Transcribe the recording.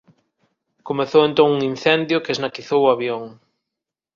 Comezou entón un incendio que esnaquizou o avión.